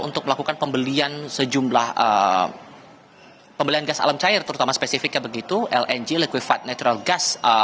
untuk melakukan pembelian sejumlah pembelian gas alam cair terutama spesifiknya begitu lng liquifad natural gas